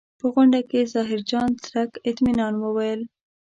په غونډه کې ظاهرجان څرک اطمنان وویل.